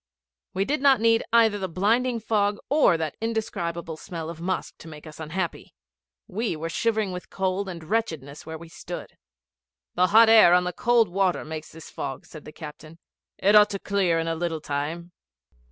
We did not need either the blinding fog or that indescribable smell of musk to make us unhappy we were shivering with cold and wretchedness where we stood. 'The hot air on the cold water makes this fog,' said the captain; 'it ought to clear in a little time.'